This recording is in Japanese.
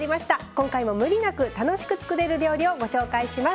今回も無理なく楽しく作れる料理をご紹介します。